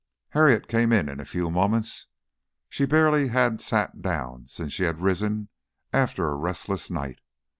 Harriet came in a few moments. She barely had sat down since she had risen after a restless night.